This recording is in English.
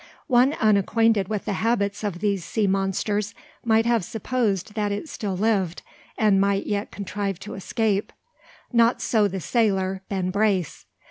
One unacquainted with the habits of these sea monsters might have supposed that it still lived, and might yet contrive to escape. Not so the sailor, Ben Brace.